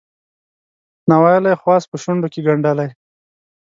ناویلی خواست په شونډوکې ګنډلی